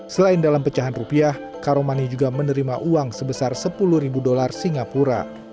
selain dalam pecahan rupiah karomani juga menerima uang sebesar sepuluh ribu dolar singapura